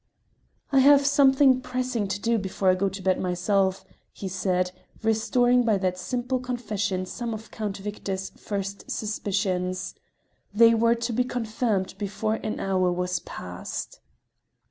"I have something pressing to do before I go to bed myself," he said, restoring by that simple confession some of Count Victor's first suspicions. They were to be confirmed before an hour was past.